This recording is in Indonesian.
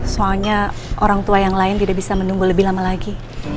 soalnya orang tua yang lain tidak bisa menunggu lebih lama lagi